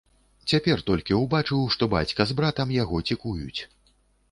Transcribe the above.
Цяпер толькі ўбачыў, што бацька з братам яго цікуюць.